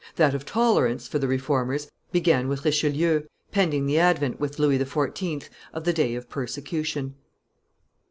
that of tolerance, for the Reformers, began with Richelieu, pending the advent with Louis XIV. of the day of persecution.